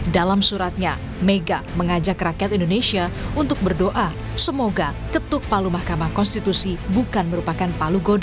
dalam suratnya mega mengajak rakyat indonesia untuk berdoa semoga ketuk palu mahkamah konstitusi bukan merupakan palu godo